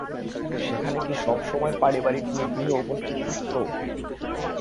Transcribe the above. সেখানে কি সবসময় পারিবারিক নিগৃহ উপস্থিত থাকতো?